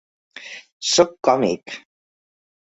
Sóc còmic.